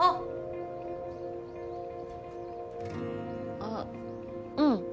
あっうん。